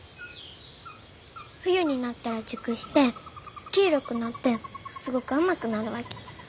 冬になったら熟して黄色くなってすごく甘くなるわけ。